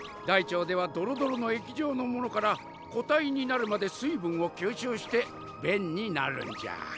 大腸ではドロドロの液状のものから個体になるまで水分を吸収して便になるんじゃ。